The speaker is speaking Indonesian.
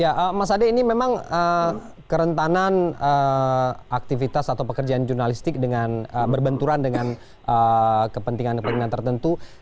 ya mas ade ini memang kerentanan aktivitas atau pekerjaan jurnalistik dengan berbenturan dengan kepentingan kepentingan tertentu